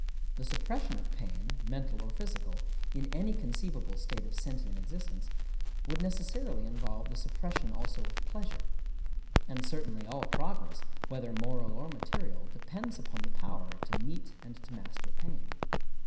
The suppression of pain—mental or physical,—in any conceivable state of sentient existence, would necessarily involve the suppression also of pleasure;—and certainly all progress, whether moral or material, depends upon the power to meet and to master pain.